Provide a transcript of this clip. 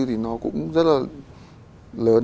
thì nó cũng rất là lớn